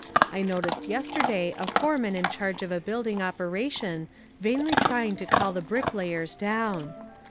I noticed yesterday a foreman in charge of a building operation vainly trying to call the bricklayers down.